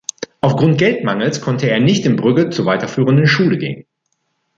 Aufgrund Geldmangels konnte er nicht in Brügge zur weiterführenden Schule gehen.